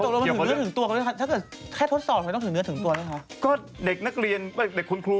อ่าแล้วทำไมนักเรียนถึงต้องแบบรวบคุณครู